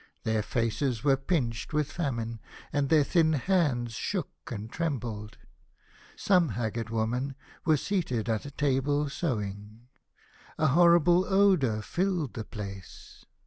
Their faces were pinched with famine, and their thin hands shook and trem bled. Some haggard women were seated at a table sewing. A horrible odour filled the place.